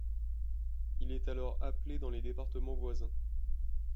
Il est alors appelé dans les départements voisins.